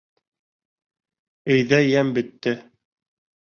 Өйҙә йәм бөттө!